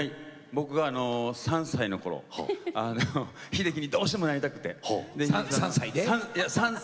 僕が３歳のころ秀樹に、どうしてもなりたくて。